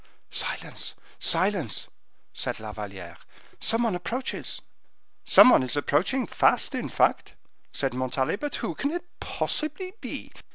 "Silence, silence!" said La Valliere; "some one approaches." "Some one is approaching fast, in fact," said Montalais; "but who can it possibly be?